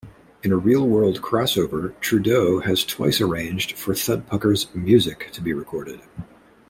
In a real-world crossover, Trudeau has twice arranged for Thudpucker's "music" to be recorded.